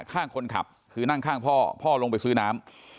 ข้างคนขับคือนั่งข้างพ่อพ่อลงไปซื้อน้ำ